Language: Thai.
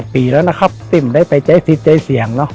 ปีแล้วนะครับติ่มได้ไปใช้สิทธิ์ใช้เสียงเนอะ